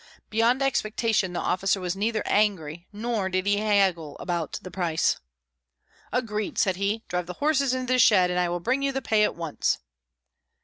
Beyond expectation the officer was neither angry, nor did he haggle about the price. "Agreed!" said he. "Drive the horses into the shed, and I will bring you the pay at once."